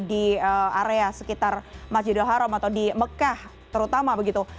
di area sekitar masjidil haram atau di mekah terutama begitu